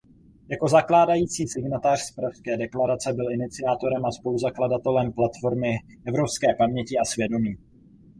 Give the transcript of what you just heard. Jako zakládající signatář Pražské deklarace byl iniciátorem a spoluzakladatelem Platformy evropské paměti a svědomí.